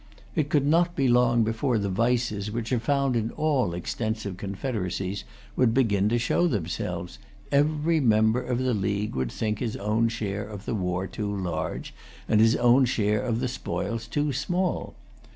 It could not be long before the vices which are found in all extensive confederacies would begin to show themselves. Every member of the league would think his own share of the war too large, and his own share of the spoils too small.